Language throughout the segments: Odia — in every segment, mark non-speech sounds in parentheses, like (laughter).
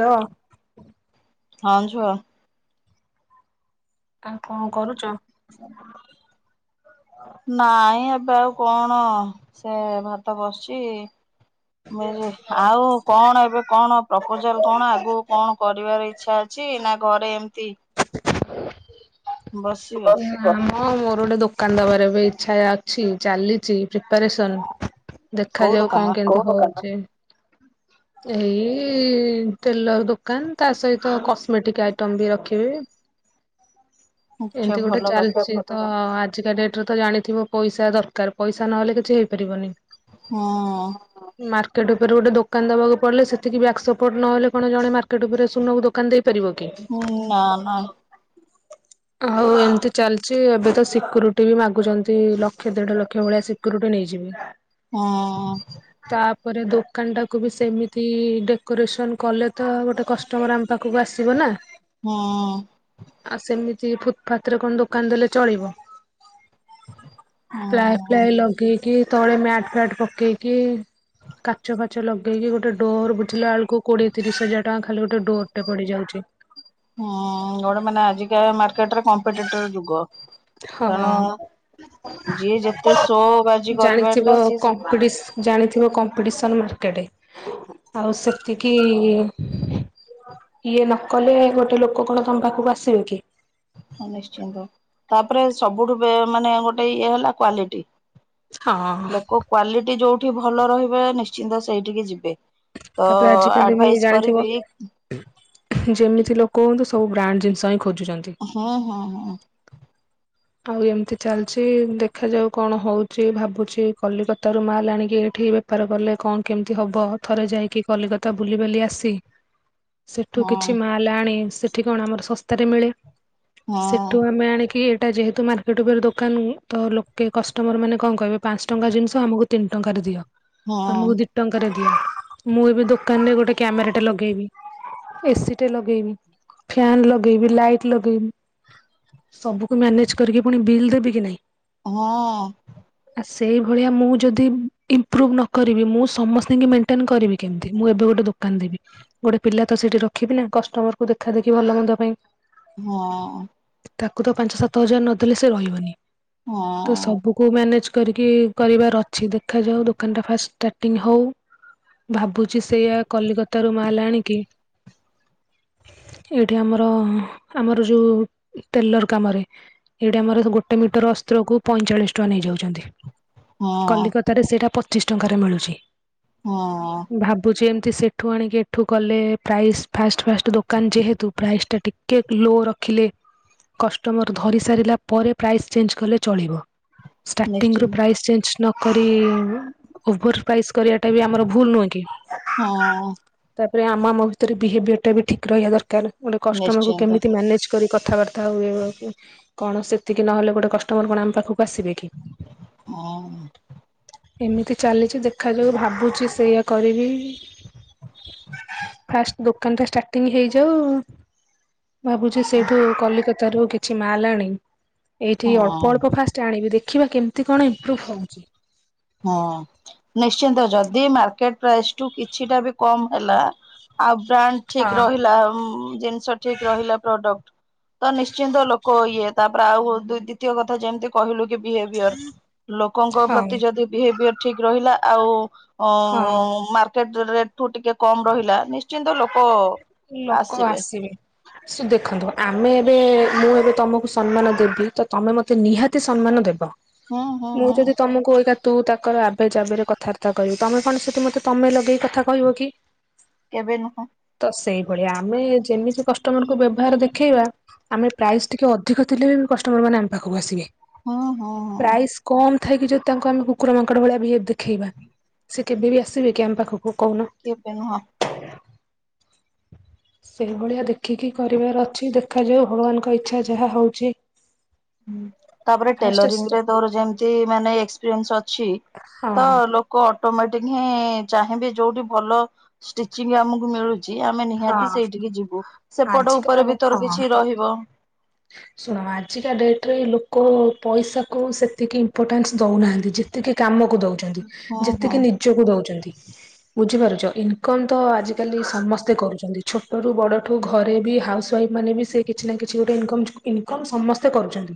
ଲୋ (unintelligible) ହଁ ଝୁଅ। ଆଉ କଣ କରୁଛ? ନାଇଁ ଏବେ ଆଉ କଣ ସେ ଭାତ ବସିଛି। ଆଉ କଣ ଏବେ କଣ ପ୍ରପୋଜାଲ କଣ ଆଗକୁ କଣ କରି କରିବାର ଇଚ୍ଛା ଅଛି ନା ଘରେ ଏମ୍ତି ବସିବ। ହଁ ମୋର ଗୋଟେ ଦୋକାନ ଦେବାର ବି ଇ୍ଛା ଅଛି ଚାଲିଛି ପ୍ରିପାରେସନ୍ କୋଉ ଦେଖାଯାଉ କଣ ଦୋକାନ କେମତି ହଉଛି? ଏଇ ତେଲ ଦୋକାନ ତା ସହିତ କସ୍ମେଟିକ ଆଇଟମ ବି ରଖିବେ। (inaudible) ଆଚ୍ଛା ଏମିତି ଗୋଟେ ଭଲ କଥା ଚାଲି୍ଛି ତ। ଆଜିକା ଡେଟ୍ରରେ ତ ଜାଣିଥିବ ପଇସା ଦରକାର ପଇସା ନହେଲେ କିଛି ହେଇପାରିବନି। ହଁ। ମାର୍କେଟ ଉପରେୋଟେ ଦୋକାନ ଦେବାକୁ ପଡିଲ ସେତିକି ବି ଆକ୍ସପର୍ଟ ନେଲେ କଣେ ମାର୍କେଟ ଉପରେ ସୁନାକୁ ଦୋକାନ ଦେଇ ହୁଁ ନ ନା। ଆଉ ଏମିତି ଚାଲିଛି ଏବେ ତ ସିକ୍ୟୁରିଟି ବି ମାଗୁଛନ୍ତି ଲକ୍ଷ ଦେଢ ଲକ୍ଷ ଭଳିଆ ସିକ୍ୟୁରିଟି ନେଇଯିବେ। ହଁ। ଦୋକାନଟାକୁ ବି ସେମିତି ଡେକୋରେସନ୍ କଲେ ତ ଗୋଟେ କଷ୍ଟମର ଆମ ପାଖକୁ ଆସିବ ନା ହୁଁ ଆଉ ସେମିତି। କତିରେ କଣ ଦୋକାନ ଦେଲେ ଚଳିବ ହୁଁ ପ୍ଲାୟ ଫା ୟ ଲଗେଇକି। ତଳେ ମ୍ୟାଟ ଫ୍ୟାଟ ପକେଇକି। କାଚ ଫାଚ ଲଗେଇକି ଗୋଟେ ଡୋର ବୁଝିଲା ବେଳକୁ, କୋଡିଏ ତିରିଶ ହଜାର ଟଙ୍କା ଖାଲି ଗୋଟେ ଡୋର ଟେ ପଡ଼ି ଯାଉଛି। ହ। ହୁଁ, ଗୋଟେ ମାନେ ଆଜିକା ମାର୍କେଟରେ କମ୍ପିଟେ ଟର୍ ଯୁଗ। ହଁ। ତେଣୁ ଯିଏ ଯେତେ (unintelligible) ଶୋ ବାଜି କରିପାରିଲା ଜାଣିଥିବ ସିଏ କମ୍ପିଟିସ ଜାଣିଥିବ ଜାଣିଥିବ କମ୍ପିଟ ପିଦିସନ ଭିତରେ ଆଉ ସେତିକି। ଇଏ ନ କଲେ ଗୋଟେ ଲୋକ କଣ ତମ ପାଖକୁ ଆସିବେ କି? ହ ନିଶ୍ଚିନ୍ତ ତାପରେ ସବୁଠୁ ମାନେ ଗୋଟେ ଇଏ ହେଲା କ୍ଵାଲିଟି। ହଁ। ଲୋକ କ୍ଵାଲିଟି ଯୋଉଠି ଭଲ ରହିବେ ନିଶ୍ଚିନ୍ତ ସେଇଠିକି ଯିବେ। ତ ତାପରେ ଆଜିକାଲି ବି ଆଡଭାଇସ୍ ଜାଣିଥିବ କରିବି ଯେମିତି ଲୋକ ହୁଅନ୍ତୁ। ସବୁ ବ୍ରାଣ୍ଡ୍ ଜିନିଷ ହିଁ। ଖୋଜୁଛନ୍ତି। ହଁ, ହଁ, ହଁ। ଆଉ ଏମିତି ଚାଲିଛି ଦେଖ ଯାଉ କଣ ହଉଛି ଭାବୁଛି କଲିକତା ରୁ ମାଲ୍ ଆଣିକି ଏଠି ବେପାର କଲେ କଣ କେମିତି ହବ ଥରେ ଯାଇକି କଲିକତା ବୁଲିିବାଲି ଆସି ସେଠୁ ହୁଁ କିଛି ମାଲ ଆଣ ସେଠି କଣ ଆମର ଶସ୍ତାରେ ମିଳେ ହଁ ସେଠୁ ଆମେ ଆଣିକି ଏ ଟା ଯେହେତୁ ମାର୍କେଟ ଉପରେ ଦୋକାନ। ତ ଲୋକେ କଷ୍ଟମର ମାନେ କଣ କହିବେ ପାଞ୍ଚ ଟଙ୍କା ଜିନିଷ ଆମକୁ ତିନି ଟଙ୍କାରେ ଦିଅ ହଁ ଆମକୁ ଦି ଟଙ୍କାରେ ଦିଅ। ମୁଁ ଏବେ ଦୋକାନରେ ଗୋଟେ କ୍ୟାମେରା ଟେ ଲଗେଇବି। ଏସି ଟେ ଲଗେଇବି, ଫ୍ୟାନ ଲଗେଇବି, ଲାଇଟ ଲଗେଇବି, ସବୁ ମୁ ମ୍ୟାନେଜ୍ କରିକି ପୁଣି ବିଲ୍ ଦେବି କି ନାଇଁ। ହଁ। ସେଇଭଳିଆ ମୁଁ ଯଦି ଇମ୍ପ୍ରୁଭ ନ କରିବି ମୁଁ ସମସ୍ତଙ୍କୁ ମେଣ୍ଟେନ କରିବି କେମିତି ମୁଁ ଏବେ ଗୋଟେ ଦୋକାନ ଦେବି। ଗୋଟେ ପିଲା ତ ସେଠି ରଖିବି ନା କଷ୍ଟମର କୁ ଦେଖା ଦେଖି ଭଲ ମନ୍ଦ ପାଇଁ। ହଁ। ତାକୁ ତ ପାଞ୍ଚ ସାତ ହଜାର ନ ଦେଲେ ସେ ରହିବନି। ହଁ ତ ସବୁକୁ ମ୍ୟାନେଜ୍ କରିକି କରିବାର ଅଛି। ଦେଖାଯାଉ ଦୋକାନ ଟା ଫାଷ୍ଟ୍ ସ ଟିଙ୍ଗ ହଉ। ଭାବୁଛି ସେୟା କଲିକତାରୁ ମାଲ୍ ଆଣିକି ଏଇଠି ଆମର ଆମର ଯୋଉ ଟେଲର କାମରେ ଏଇଠି ଆମର ଗୋଟେ ମିଟର ଅସ୍ତ୍ରକୁୁ ପଇଁଚାଳିଶ ଟଙ୍କା ନେଇ ଯାଉଛନ୍ତି। ହଁ କଲିକତାରେ ସେଇଟା ପଚିଶ ଟଙ୍କାରେ ମିଳୁଛି। ହଁ ଭାବୁଛି ଏ ସେଠୁ ଆଣିକି ଏଠୁ କଲେ ପ୍ରାଇସ୍ ଫାଷ୍ଟ ଫାଷ୍ଟ ଦୋକାନ ଯେହେତୁ ପ୍ରାଇସ୍ଟା ଟିକେ ଲୋ ରଖିଲେ (unintelligible) କଷ୍ଟମର ଧରି ସାରିଲା ପରେ ପ୍ରାଇସ୍ ଚେଞ୍ଜ କଲେ ଚଳିବ। ଷ୍ଟାର୍ଟିଂରୁୁ ନିଶ୍ଚିନ୍ତ ପ୍ରାଇସ୍ ଚେଞ୍ଜ ନକରି ଉଭର ପ୍ରାଇସ୍ କରିବାଟା ବି ଆମର ଭୁଲ ନୁହେଁ କି ହଁ ତ ରେ ଆମ ଆମ ଭିତରେ ବିହେବିଅର ଟା ବି ଠିକ୍ ରହିବା ଦରକାର। ଗୋଟେ କଷ୍ଟମରକୁ ନିଶ୍ଚିନ୍ତ କେମିତି ମ୍ୟାନେଜ୍ କରି କଥାବାର୍ତ୍ତା ତାଉ କଣ ସେତିକି ନହେଲେ ଗୋଟେ କଷ୍ଟମର୍ କଣ ଆମ ପାଖକୁ ଆସିବେ କି? ହଁ। ଏମିତି ଚାଲିଛି ଦେଖାଯାଉ ଭାବୁଛି ସେଇୟା କରିବି। ଫାଷ୍ଟ ଦୋକାନ ଟା ଷ୍ଟାର୍ଟିଂ ହେଇଯାଉ ଭାବୁଛି ସେଇଠୁ କଲିକତାରୁ କିଛି ମାଲ୍ ଆଣି ଏଇଠି ହଁ ଅଳ୍ପ ଅଳ୍ପ ଫାଷ୍ଟ ଆଣିବି ଦେଖିବା କେମିତି କଣ ଇମ୍ପ୍ରୁଭ ହଉଛି। ହଁ ନିଶ୍ଚିନ୍ତ ଯଦି ମାର୍କେଟ ପ୍ରାଇସ ଠୁ କିଛିଟା ବି କମ ହେଲା ଆଉ ବ୍ରାଣ୍ଡ ହଁ ଠିକ ରହିଲା ଜିନିଷ ଠିକ ରହିଲା ପ୍ରଡକ୍ଟ ତ ନିଶ୍ଚିନ୍ତ ଲୋକ ଇଏ ତାପରେ ଆଉ ଦ୍ଵିତୀୟ କଥା ଯେମିତି କହିଲୁ କି ବିହେଭିୟର ଲୋକଙ୍କ ହଁ ପ୍ରତି ଯଦି ବିହେଭିୟର ଠିକ ରହିଲା ଆଉ ଉ ହଁ। ମା (unintelligible) ରେଟ ଠୁ ଟିକେ କମ୍ ରହିଲା ନି ଲୋକ ଆସିବେ ସେ ଦେଖନ୍ତୁ ଆମେ ଏବେ ମୁଁ ଏବେ ତମକୁ ସମ୍ମାନ ଦେବି ତ ତମେ ମୋତେ ନିହାତି ସମ୍ମାନ ଦେବ। ହୁଁ ହୁଁ ମୁଁ ହୁଁ ଯଦି ତମକୁ ଆଇକା ତୁ ତାକର ଆବେ ଜାବେରେ କଥାବାର୍ତ୍ତା କରିବି ତମେ କଣ ସେଠି ମତେ ତମେ ଲଗେଇକି କଥା କହିବ କି? କେବେ ନୁହଁ। ତ ସେଇଭଳିଆ ଆମେ ଯେମିତି କଷ୍ଟମରକୁୁ ବ୍ୟବହାର ଦେଖେଇବା ଆମେ ପ୍ରାଇସ୍ ଟିକେ ଅଧିକ ଥିଲେ ବି କଷ୍ଟମର ମାନେ ଆମ ପାଖକୁ ଆସିବେ। ହୁଁ ହୁଁ ହୁଁ ପ୍ରାଇସ କମ୍ ଥାଇକି ଯଦି ତାଙ୍କୁ କୁକୁର ମାଙ୍କଡ ଭଳିଆ ବିହେବ ଦେଖେଇବା ସେ କେବେ ବି ଆସିବେ କି ଆମ ପାଖକୁ କହୁନ? କେବେ ନୁହ। ସେଇଭଳିଆ ଦେଖିକି କରିବାର ଅଛି ଦେଖାଯାଉ ଭଗବାନଙ୍କ ଇଚ୍ଛା ଯାହା ହଉଛି। ତାପରେ ଟେଲରିଂ ଫାଷ୍ଟେଷ୍ଟ ରେ ତୋର ଯେମିତି ମାନେ ଏକ୍ସପିରିଏନ୍ସ ଅଛି ହଁ ତ ଲୋକ ଅଟୋମେଟିକ ହିଁ ଚାହିଁବେ ଯୋଉଠି ଭଲ ଷ୍ଟିଚିଂ ଆମକୁ ମିଳୁ ଚି ଆମେ ହଁ। ନିହାତି ସେଇଠିକି ଯିବୁ ସେପଟ ଆଜିକା ଉପରେ ବି ତୋର ହଁ କିଛି ରହିବ। ଶୁଣ ଆଜିକା ଡେଟ ରେ ଲୋକ ପଇସା କୁ ସେତିକି ଇମ୍ପୋର୍ଟାନ୍ସ ଦଉନାହାନ୍ତି ଯେତି କି ଯେତିକି କାମକୁ ଦଉଛନ୍ତି ହଁ ହଁ ଯେତିକି ନିଜକୁ ଦଉଛନ୍ତି ବୁଝିପାରୁଛ ଇନକମ ତ ଆଜିକାଲି ସମସ୍ତେ କରୁଛନ୍ତି ଛୋଟରୁ ବଡ଼ଠୁ ଘରେ ବି ହାଉସ୍ ୱାଇଫ୍ ମାନେ ବି ସେ କିଛି ନା କିଛି ଗୋ ଟେ ଇନକମ ଇନକମ୍ ସମସ୍ତେ କରୁଛନ୍ତି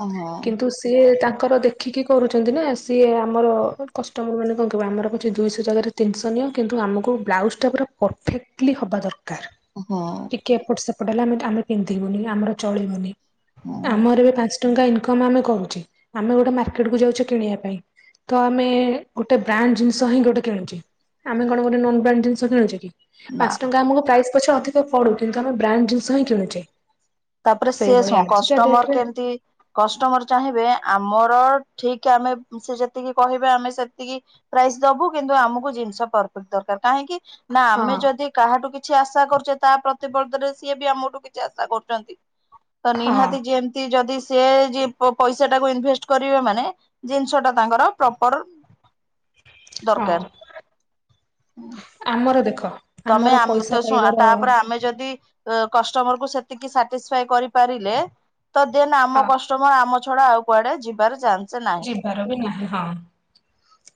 ହଁ କିନ୍ତୁ ସେ ତା ତାଙ୍କର ଦେଖିକି କରୁଛନ୍ତି ନା ସିଏ ଆମର କଷ୍ଟମର ମାନେ କଣ କହିବେ ଆମର କଛି ଦିଇଶହ ଜାଗାରେ ତିନିଶହ ନିଅ କିନ୍ତୁ ଆମକୁ ବ୍ଲାଉଜ ଟା ପୁରା ପରଫେକ୍ଟଲି ହବା ଦର କାର ହଁ ଟିକେ ଏପଟ ସେପଟ ହେଲା ଆମେ ଆମେ ପିନ୍ଧିବୁନି ଆମର ଚଳିବନି। ହଁ ଆମର ଏ ବି ପାଞ୍ଚ ଟଙ୍କା ଇନକମ ଆମେ କରୁଛେ ଆମେ ଗୋଟେ ମାର୍କେଟ କୁ ଯାଉଛେ କିଣିଆ ପାଇଁ। ତ ଆମେ ଗୋଟେ ବ୍ରାଣ୍ଡ ଜିନିଷ ହିଁ ଗୋଟେ କିଣୁଛେ ଆମେ କଣ ଗୋଟେ ନନ୍ ବ୍ରାଣ୍ଡ ଜିନିଷ କିଣୁଛେ କି? ନା ପାଞ୍ଚ ଟଙ୍କା ଆମକୁ ପ୍ରାଇସ୍ ପଛେ ଅଧିକ ପଡୁ କିନ୍ତୁ ଆମେ ବ୍ରାଣ୍ଡ ଜିନିଷ ହିଁ କିଣୁଛେ। ତାପରେ ସେ ସେଇଭଳି ଶୁଣ ଆଜିକା କଷ୍ଟମର ଡେଟରେ କେମତି କଷ୍ଟମର ଚାହିଁବେ ଆମର ଠିକ ଆମେ ସେ ଯେତିକି କହିବେ ଆମେ ସେତିକି ପ୍ରାଇସ୍ ଦବୁ କିନ୍ତୁ ଆମକୁ ଜିନିଷ ପରଫେକ୍ଟ ଦରକାର। କାହିଁକି? ନା ହଁ ଆମେ ଯଦି କାହାଠୁ କିଛି ଆଶା କରୁଛେ ତା ପ୍ରତିବର୍ଧରେ ସିଏ ବି ଆମଠୁ କିଛି ଆଶା କରୁଛନ୍ତି। ତ ହଁ ନିହାତି ଯେମତି ଯଦି ସେ ଯି ପ-ପଇସା ଟାକୁ ଇନଭେଷ୍ଟ କରିବେ ମାନେ ଜିନିଷ ଟା ତାଙ୍କର ପ୍ରପର ହଁ ଦରକାର। ଆମର ଦେଖ। ତମେ ଆମର ପଇସା ଆ ଶୁଣ ପାଇବାର ତାପରେ ଆମେ ଯଦି ଅ କଷ୍ଟମର କୁ ସେତିକି ସାଟିଷଫାଏ କରିପାରିଲେ ତ ଦେନ୍ ଆମ ହଁ କଷ୍ଟମର ଆମ ଛଡା ଆଉ କୁଆଡେ ଯିବାର ଚା ଯିବାର ବି ନାହିଁ ହଁ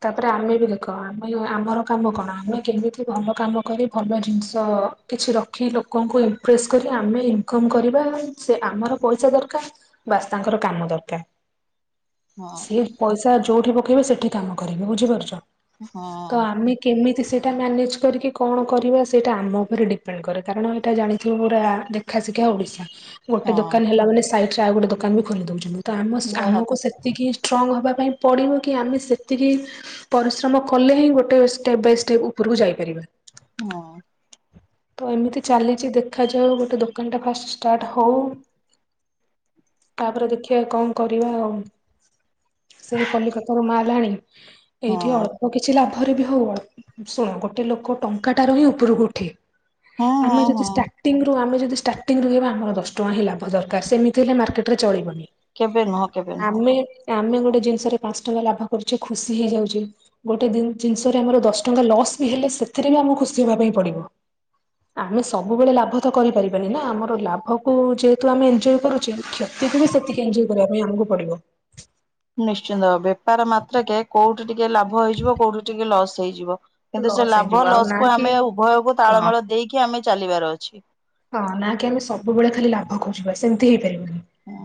ତାପରେ ଆମେ ବି ଖ ଆମେ ଆମର କାମ କଣ ଆମେ କେମିତି ଭଲ କାମ କରି ଭଲ ଜିନିଷ କିଛି ରଖିଲୁ। ଲୋକଙ୍କୁ ଇମ୍ପ୍ରେସ କରି ଆମେ ଇନକମ କରିବା ସେ ଆମର ପଇସା ଦରକାର ବାସ୍ ତାଙ୍କର କାମ ଦରକାର ହଁ ସିଏ ପଇସା ଯୋଉଠି ପକେଇବେ ସେଠି କାମ କରିବେ ବୁଝିପାରୁଛ। ହଁ ତ ଆମେ କେମିତି ସେ ଟା ମ୍ୟାନେଜ କରିକି କଣ କରିବା ସେଇଟା ଆମ ଉପରେ ଡିପେଣ୍ଡ କରେ କାରଣ ଏଇଟା ଜାଣିଥିବ ପୁରା ଦେଖା ଶିଖା ଓଡିଶା ଗୋଟେ ହଁ ଦୋକାନ ହେଲା ମାନେ ସାଇଟରେ ଆଉ ଗୋଟେ ଦୋକାନ ବି ଖୋଲି ଦଉଛନ୍ତି ତ ଆମ ନିହାତି ଆମକୁ ସେ ଷ୍ଟ୍ରଙ୍ଗ୍ ହେବା ପାଇଁ ପଡ଼ିବ କି ଆମେ ସେତିକି ପରିଶ୍ରମ କଲେ ହିଁ ଗୋଟେ ଷ୍ଟେପ୍ ବାଇ ଷ୍ଟେପ୍ ଉପ କୁ ଯାଇପାରିବା। ହଁ। ତ ଏମିତି ଚାଲିଛି ଦେଖାଯାଉ ଗୋଟେ ଦୋକାନଟା ଫାଷ୍ଟ ଷ୍ଟାର୍ଟ ହଉ। ତାପରେ ଦେଖିବା କଣ କରିବା ଆଉ? ସେ କଲିକତାରୁ ମାଲ ଆଣି ହଁ ଏଇଠି ଅଳ୍ପ କିଛି ଲାଭ ରେ ବି ହଉ ଶୁଣ ଗୋଟେ ଲୋକ ଟଙ୍କା ଟା ରୁ ହିଁ ଉପରକୁ ଉଠେ। ହଁ ଆମେ ହଁ ଯଦି ହଁ ଷ୍ଟାର୍ଟିଙ୍ଗ ରୁ ଆମେ ଯ ଷ୍ଟାର୍ଟିଂ ରହିବ ଆମର ଦଶ ଟଙ୍କା ହିଁ ଲାଭ ଦରକାର ସେମିତି ହେଲେ ମାର୍କେଟରେ ଚଳିବନି। କେବେ ନୁହଁ କେବେ ନୁ ଆମେ ଆମେ ଗୋଟେ ଜିନିଷରେ ପାଞ୍ଚ ଟଙ୍କା ଲାଭ କରୁଛେ ଖୁସି ହେଇଯାଉଛେ ଗୋଟେ ଜିନିଷରେ ଆମର ଦଶ ଟଙ୍କା ଲସ୍ ବି ହେଲେ ସେଥିରେ ବି ଆମକୁ ଖୁସି ହେବା ପାଇଁ ପଡିବ। ଆମେ ସବୁବେଳେ ଲାଭ ତ କରିପାରିବାନି ନା ଆମର ଲାଭକୁ ଯେହେତୁ ଆମେ ଏନଜଏ କରୁଛେ (unintelligible) ସେତିକି ଏଞ୍ଜୟ କରିବା ପାଇଁ ଆମକୁ ପଡିବ। ନିଶ୍ଚିନ୍ତ ବେପାର ମାତ୍ରାକେ କୋଉଠି ଟିକେ ଲାଭ ହେଇଯିବ କୋଉଠି ଟିକେ ଲସ୍ ହେଇଯିବ। କିନ୍ତୁ ସେ ଲସ୍ ଲାଭ ହେଇଯିବ ଆଉ ଲସ୍ ନା କୁ କି ଆମେ ଉଭୟକୁ ହଁ ତାଳମେଳ ଦେଇକି ଆମେ ଚାଲିବାର ଅଛି। ହଁ ନା କି ଆମେ ସବୁବେଳେ ଖାଲି ଲାଭ ଖୋଜିବା ସେମିତି ହେଇପାରିବ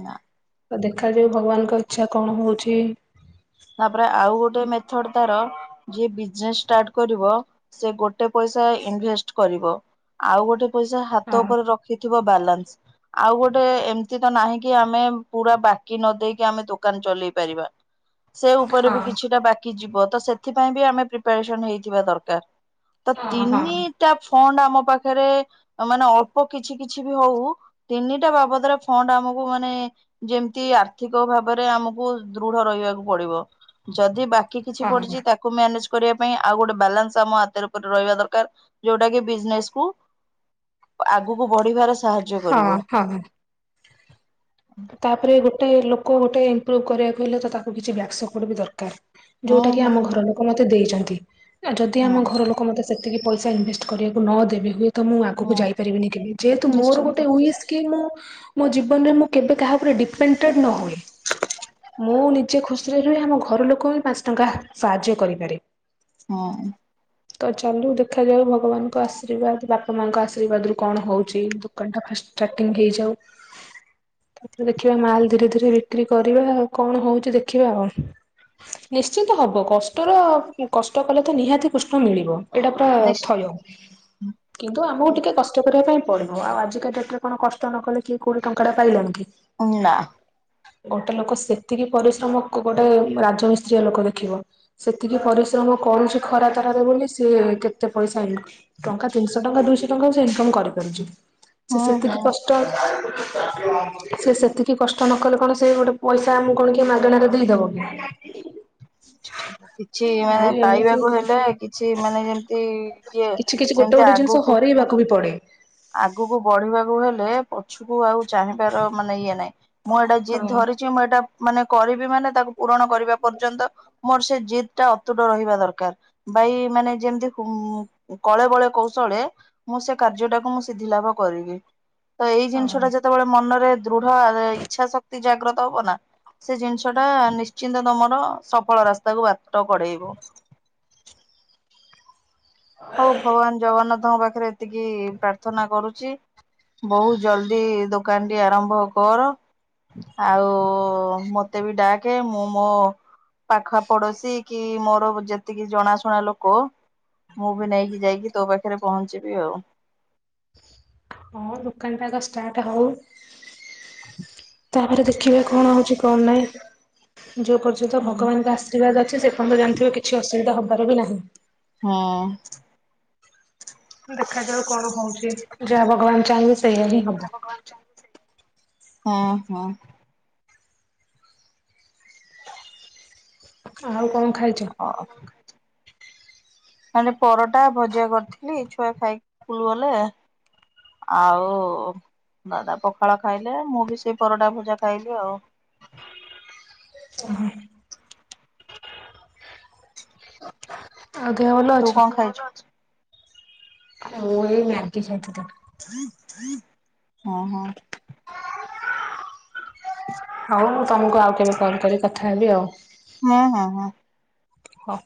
ନା। ତ ଦେଖାଯାଉ ଭଗବାନଙ୍କ ଇଚ୍ଛା କଣ ହଉଛି? ତାପରେ ଆଉ ଗୋଟେ ମେଥଡ ତାର ଯିଏ ବିଜନେସ ଷ୍ଟାର୍ଟ କରିବ ସେ ଗୋଟେ ପଇସା ଇନଭେଷ୍ଟ କରିବ ଆଉ ଗୋଟେ ପଇସା ହାତ ହଁ ଉପରେ ରଖିଥିବା ବାଲାନ୍ସ। ଆଉ ଗୋଟେ ଏମତି ତ ନାହିଁ କି ଆମେ ପୁରା ବାକି ନ ଦେଇକି ଆମେ ଦୋକାନ ଚଲେଇ ପାରିବା। ସେ ଉପରେ ବି ହଁ। କିଛିଟା ବାକି ଯିବ ତ ସେଥିପାଇଁ ବି ଆମେ ପ୍ରିପାରେସନ ହେଇଥିବା ଦରକାର। ତ ହଁ ହଁ ତିନିଟା ଫଣ୍ଡ ଆ ଆମ ପାଖରେ ମାନେ ଅଳ୍ପ କିଛି କିଛି ବି ହଉ ତିନିଟା ବାବଦରେ ଫଣ୍ଡ ଆମକୁ ମାନେ ଯେମତି ଆର୍ଥିକ ଭାବରେ ଆମକୁ ଦୃଢ ରହିବାକୁ। ପଡ଼ିବ ଯଦି ବାକି କିଛି ହଁ ପଡିଛି ତାକୁ କରିବା ପାଇଁ ଆଉ ଗୋଟେ ବାଲାନ୍ସ ଆମ ହାତରେ ଉପରେ ରହିବା ଦରକାର ଯୋଉଟା କି ବିଜନେସକୁ ଆଗକୁ ବଢିବାର ସାହାଯ୍ୟ କରିବ। ହଁ ହଁ। ତାପରେ ଗୋଟେ ଲୋକ ଗୋଟେ ଇମ୍ପ୍ରୁଭ କରିବାକୁ ହେଲେ ତ ତାକୁ କିଛି ବ୍ୟାକ୍ ସପୋର୍ଟ ବି ଦରକାର। ହୁଁ ଯୋଉଟା କି ହୁଁ ଆମ ଘର ଲୋକ ମତେ ଦେଇଛନ୍ତି ଯଦି ହୁଁ ହଁ ଆମ ଘର ଲୋକ ମତେ ସେତିକି ପଇସା ଇନଭେଷ୍ଟ କରିବାକୁ ନ ଦେବେ ହୁଏ ତ ମୁଁ ହଁ ଆଗକୁ ଯାଇପାରିବିନି କେବେ ଯେହେତୁ ମୋର ଗୋଟେ ନିଶ୍ଚିନ୍ତ ଉିସ୍ କି ମୁଁ ମୋ ଜୀବନରେ ମୁଁ କେବେ କାହା ଉପରେ ଡିପେେ ନ ହୁଏ। ମୁଁ ନିଜେ ଖୁସିରେ ରହ ଆମ ଘର ଲୋକ ବି ପାଞ୍ଚ ଟଙ୍କା ସାହାଯ୍ୟ କରିପାରେ। ହଁ। ତ ଚାଲୁ ଦେଖ ଯାଉ ଭଗବାନଙ୍କ ଆଶୀର୍ବାଦ ବାପା ମାଙ୍କ ଆଶୀର୍ବାଦ ରୁ କଣ ହଉଛି ଦୋକାନ ଟା ଫା ଷ୍ଟାଟିଙ୍ଗ ହେଇଯାଉ। ତାପରେ ଦେଖିବା ମାଲ ଧୀରେ ଧୀରେ ବିକ୍ରି କରିବା ଆଉ କଣ ହଉଛି ଦେଖିବା ଆଉ ନିଶ୍ଚନ୍ତ ହବ କଷ୍ଟର କଷ୍ଟ କଲେ ତ ନିହାତି କୃଷ୍ଣ ମିଳିବ। ଏଇଟା ପୁରା ନିଶ୍ଚି ଥୟ କିନ୍ତୁ ଆମକୁ ଟିକେ କଷ୍ଟ କରିବା ପାଇଁ ପଡ଼ିବ ଆଉ ଆଜିକା ଡେଟରେ କଣ କଷ୍ଟ ନ କଲେ କିଏ କୋଉଠି ଟଙ୍କା ଟା ପାଇଲାଣି କି? ନା ଗୋଟେ ଲୋକ ସେତିକି ପରିଶ୍ରମ କ ଗୋଟେ ରାଜମିସ୍ତ୍ରୀଆ ଲୋକ ଦେଖିବ ସେତିକି ପରିଶ୍ରମ ମ କରୁଛି ଖରା ତାରରେ ବୋଲି ସିଏ କେତେ ପଇସା ଇ ଟଙ୍କା ତିନିଶହ ଟଙ୍କା ଦୁଇଶହ ଟଙ୍କା ସେ ଇନକ କ କରି ପାରୁଚି ହୁଁ ସେ ହୁଁ ସେତିକି କଷ୍ଟ ସେ ସେତିକି କଷ୍ଟ ନ କଲେ କଣ ସେ ଗୋଟେ ପଇସା ଆମକୁ କଣ କି ମାଗଣାରେ ଦେଇଦବ କି? (inaudible) କିଛି ଆଉ ମାନେ ଏମିତି ପାଇବାକୁ ହେଲେ କିଛି ମାନେ ଯେମିତି ଇଏ କିଛି କିଛି ଗୋଟେ ସେମିତି ଗୋଟେ ଜିନିଷ ଆଗକୁ ହରେଇବାକୁ ବି ପ ଆଗକୁ ବଢିବାକୁ ହେଲେ ପଛୁକୁ ଆଉ ଚାହିଁବାର ମାନେ ଇଏ ନାହିଁ। ମୁଁ ଏଇଟା ଜିଦ୍ ହଁ। ଧରିଛି ମୁଁ ଏଇଟା ମାନେ କରିବି ମାନେ ତାକୁ ପୂରଣ କରିବା ପର୍ଯ୍ୟନ୍ତ ମୋର ସେ ଜିଦ୍ ଟା ଅତୁଟ ରହିବା ଦରକାର ବାଇ ମାନେ ଯେମିତି କୁଁ କଳେ ବଳେ କୌଶଳେ ମୁଁ ସେ କାର୍ଯ୍ୟଟା ମୁଁ ସିଧି ଲାଭ କରିବି ତ ଏଇ ହଁ ଜିନିଷଟା ଯେତେବେଳେ ମନରେ ଦୃଢ ଇଚ୍ଛା ଶକ୍ତି ଜାଗ୍ରତ ହବ ନା। ସେ ଜିନିଷଟା ନିଶ୍ଚିନ୍ତ ତମର ସଫଳ ରାସ୍ତାକୁ ବାଟ କଢେଇବ। (inaudible) ହଉ ଭଗବାନ ଜଗନ୍ନାଥଙ୍କ ପାଖରେ ଏତିକି ପ୍ରାର୍ଥନା କରୁଛି। ବହୁତ ଜଲଦି ଦୋକାନଟି ଆରମ୍ଭ କର। ଆଉ ମତେ ବି ଡାକ ମୁଁ ମୋ ପାଖ ପଡୋଶୀ କି ମୋର ଯେତିକି ଜଣାଶୁଣା ଲୋକ। ମୁଁ ବି ନେଇକି ଯାଇକି ତୋ ପାଖରେ ପହଞ୍ଚିବି ଆଉ। ହଁ ଦୋକାନଟା ଆଗ ଷ୍ଟାର୍ଟ ହଉ। ତାପରେ ଦେଖିବେ କଣ ହଉଛି କଣ ନାହିଁ। ଯୋଉ ପର୍ଯ୍ୟନ୍ତ ହୁଁ। ଭଗବାନଙ୍କ ଆଶୀର୍ବାଦ ଅଛି ସେ ପର୍ଯ୍ୟନ୍ତ ଜାଣିଥିବା କିଛି ଅସୁବିଧା ହବାର ବି ନାହିଁ। ହୁଁ। ଦେଖାଯାଉ କଣ ହଉଛି ଯାହା ଭଗବାନ ଚାହିଁବେ ସେଇଆ ହିଁ ହବ। ହଁ ହଁ। ଆଉ କଣ। ଖାଇଛ? ଓ। ମାନେ ପରଟା ଭଜା କରିଥିଲି ଛୁଆ ଖାଇକି ସ୍କୁଲ ଗଲେ। ଆଉ ଦାଦା ପଖାଳ ଖାଇଲେ ମୁଁ ବି ସେଇ ପରଟା ଭଜା ଖାଇଲି ଆଉ। ଓ। ଆଉ ଦେହ ଭଲ ତୁ ଅଛି? କଣ ଖାଇଛୁ? ମୁଁ ଏଇ ମ୍ୟାଗି ଖାଇଥିଲି। ହଁ ହଁ। ହଉ ମୁଁ ତମକୁ ଆଉ କେବେ କଲ କରି କଥା ହେବି ଆଉ। ହଁ ହଁ ହଁ। ହଉ।